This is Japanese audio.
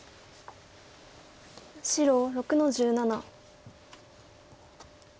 白６の十七。